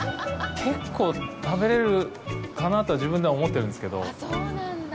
結構、食べれるかなと自分では思ってるんですけど。